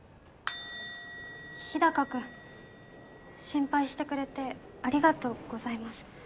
日高君心配してくれてありがとうございます。